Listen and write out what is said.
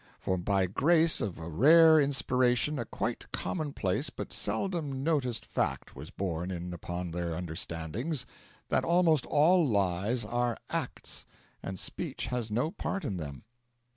For by grace of a rare inspiration a quite commonplace but seldom noticed fact was borne in upon their understandings that almost all lies are acts, and speech has no part in them.